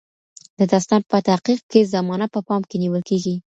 د داستان په تحقیق کې زمانه په پام کې نیول کیږي.